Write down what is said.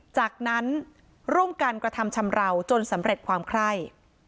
จากนั้นร่วมกันกระทำชำราวจนสำเร็จความไคร่